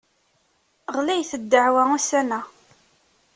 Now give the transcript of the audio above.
Ɣlayet ddeɛwa ussan-a.